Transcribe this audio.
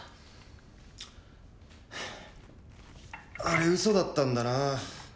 あれ嘘だったんだな。